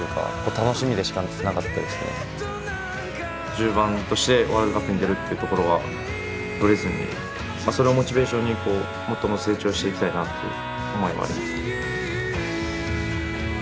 １０番としてワールドカップに出るっていうところはブレずにそれをモチベーションにこうもっと成長していきたいなっていう思いもありますね。